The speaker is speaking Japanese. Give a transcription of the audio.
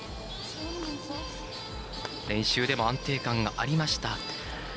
練習でも安定感がありました。